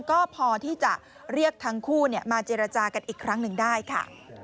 ก็พอที่จะเรียกทั้งคู่มาเจรจากันอีกครั้งหนึ่งได้ค่ะ